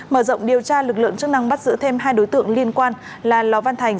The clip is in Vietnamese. mở rộng điều tra lực lượng chức năng bắt giữ thêm hai đối tượng liên quan là lò văn thành